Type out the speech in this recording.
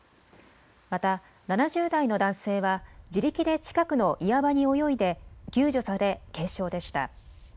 また７０代の男性は自力で近くの岩場に泳いで救助され軽傷でした。